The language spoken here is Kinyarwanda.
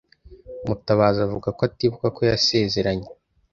Mutabazi avuga ko atibuka ko yasezeranye.